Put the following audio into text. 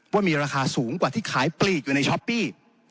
ว่ามีราคาสูงกว่าที่ขายปลีกอยู่ในช้อปปี้